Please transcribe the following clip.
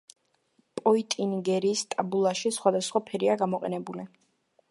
პოიტინგერის ტაბულაში სხავადასხვა ფერია გამოყენებული.